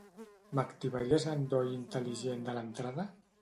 M'activaries l'endoll intel·ligent de l'entrada?